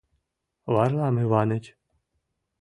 Варлам Иваныч!